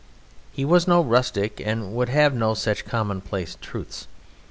He was no rustic, and would have no such commonplace truths.